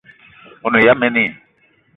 O ne ya mene i?